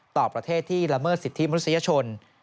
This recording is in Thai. ต่อประเทศที่ละเมิดสิทธิมนุษยชน